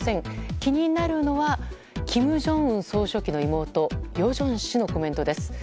気になるのは金正恩総書記の妹・与正氏のコメントです。